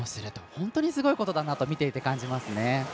本当にすごいことだなと見ていて感じますね。